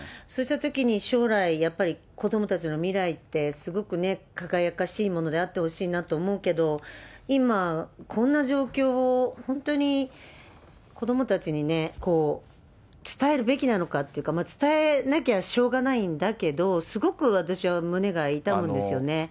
そうしたときに、将来、やっぱり子どもたちの未来って、すごくね、輝かしいものであってほしいなと思うけど、今、こんな状況を本当に子どもたちにね、伝えるべきなのかっていうか、伝えなきゃしょうがないんだけど、すごく私は胸が痛むんですよね。